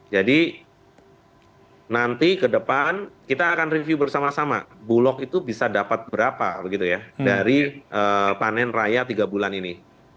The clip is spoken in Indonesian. jadi nanti ke depan kita akan review bersama sama bulog itu bisa dapat berapa dari panen raya tiga bulan ini